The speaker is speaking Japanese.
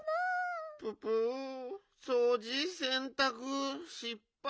ププそうじせんたくしっぱい。